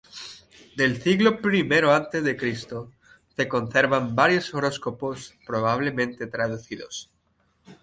Del siglo I a. de C. se conservan varios horóscopos, probablemente traducidos.